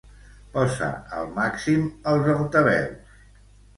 Posa al màxim els altaveus.